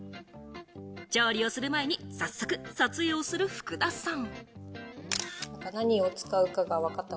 調理をする前に早速撮影をする福田さん。